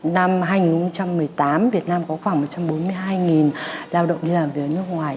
năm hai nghìn một mươi tám việt nam có khoảng một trăm bốn mươi hai lao động đi làm việc ở nước ngoài